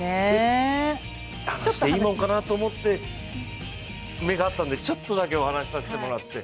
話していいもんかなと思って目が合ったんでちょっとだけお話させてもらって。